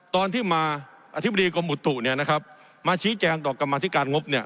ตอนที่มาอธิบดีกรมอุตุเนี่ยนะครับมาชี้แจงต่อกรรมธิการงบเนี่ย